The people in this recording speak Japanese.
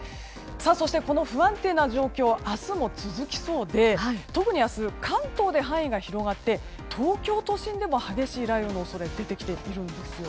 そして、この不安定な状況明日も続きそうで特に明日、関東で範囲が広がって東京都心でも激しい雷雨の恐れが出てきているんです。